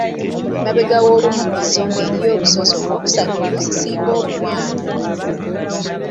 Emabega w'olumu ku zo ng'eriyo olusozi olw'okusatu oluzisinga zonna obuwanvu.